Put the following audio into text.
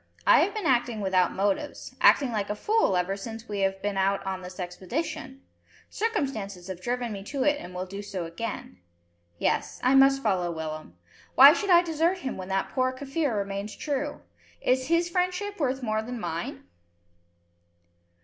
"I have been acting without motives, acting like a fool ever since we have been out on this expedition. Circumstances have driven me to it and will do so again. Yes. I must follow Willem. Why should I desert him when that poor Kaffir remains true? If his friendship worth more than mine?"